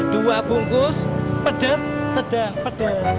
dua bungkus pedas sedang pedes